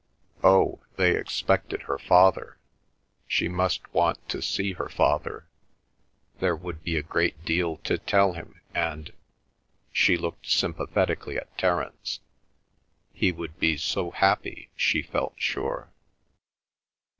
Oh, they expected her father. She must want to see her father—there would be a great deal to tell him, and (she looked sympathetically at Terence) he would be so happy, she felt sure.